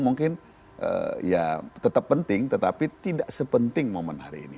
mungkin ya tetap penting tetapi tidak sepenting momen hari ini